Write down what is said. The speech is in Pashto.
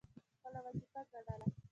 خپله وظیفه ګڼله.